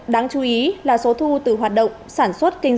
đáng chú ý là số thu từ hoạt động